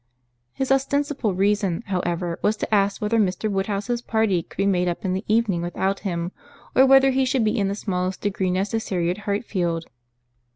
His ostensible reason, however, was to ask whether Mr. Woodhouse's party could be made up in the evening without him, or whether he should be in the smallest degree necessary at Hartfield.